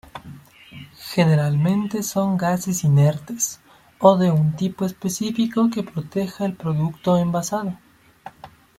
Generalmente son gases inertes, o de un tipo específico que proteja el producto envasado.